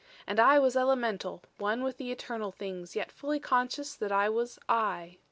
And I was elemental; one with the eternal things yet fully conscious that I was I.